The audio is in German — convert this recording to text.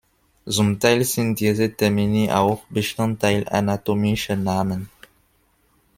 Zum Teil sind diese Termini auch Bestandteil anatomischer Namen.